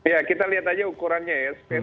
ya kita lihat aja ukurannya ya